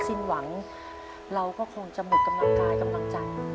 สิ้นหวังเราก็คงจะหมดกำลังกายกำลังใจ